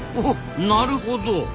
なるほど。